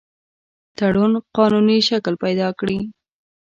تړون قانوني شکل پیدا کړي.